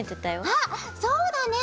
あっそうだね！